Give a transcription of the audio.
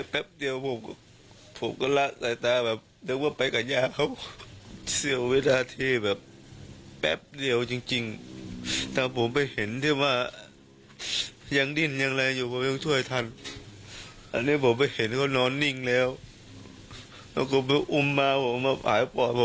ไปร้านข้าวเขาก็ไปซื้อขนมโหวนี่มา